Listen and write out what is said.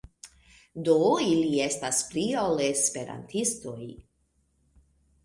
Do ili estas pli ol Esperantistoj.